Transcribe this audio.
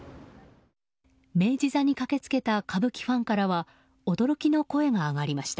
明治座に駆けつけた歌舞伎ファンからは驚きの声が上がりました。